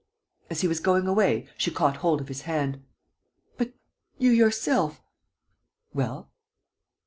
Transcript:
As he was going away, she caught hold of his hand: "But you yourself?" "Well?"